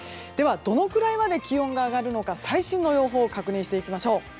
では、どのくらいまで気温が上がるのか最新の予報で確認していきます。